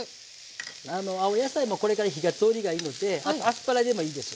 青野菜もこれから火が通りがいいのであとアスパラでもいいです。